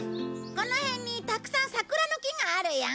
この辺にたくさん桜の木があるよ。